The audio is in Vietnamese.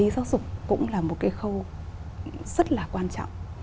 giáo dục cũng là một cái khâu rất là quan trọng